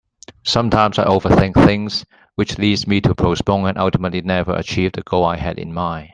Sometimes I overthink things which leads me to postpone and ultimately never achieve the goal I had in mind.